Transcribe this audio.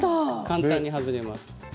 簡単に外れます。